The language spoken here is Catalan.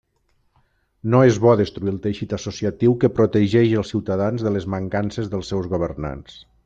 No és bo destruir el teixit associatiu que protegeix els ciutadans de les mancances dels seus governants.